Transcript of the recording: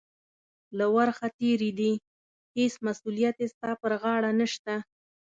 له ورخه تېرې دي، هېڅ مسؤلیت یې ستا پر غاړه نشته.